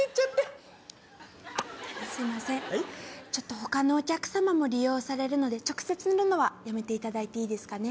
他のお客様も利用されるので直接塗るのはやめていただいていいですかね。